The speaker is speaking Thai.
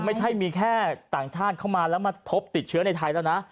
ไม่ใช่มีแค่ต่างชาติเข้ามาแล้วมาพบติดเชื้อในไทยแล้วนะ